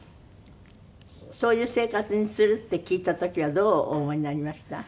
そういう生活にするって聞いた時はどうお思いになりました？